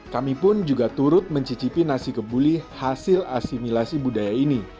kami pun juga turut mencicipi nasi kebuli hasil asimilasi budaya ini